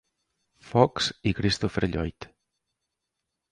Fox i Christopher Lloyd.